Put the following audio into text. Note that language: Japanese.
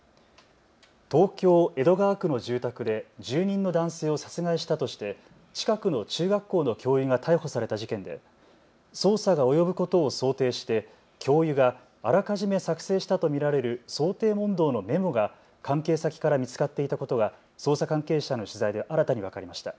東京江戸川区の住宅で住人の男性を殺害したとして近くの中学校の教諭が逮捕された事件で捜査が及ぶことを想定して教諭があらかじめ作成したと見られる想定問答のメモが関係先から見つかっていたことが捜査関係者への取材で新たに分かりました。